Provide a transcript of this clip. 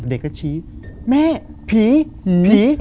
เด็กก็ชี้แม่ผีผี